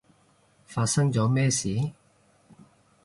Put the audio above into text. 發生咗咩事？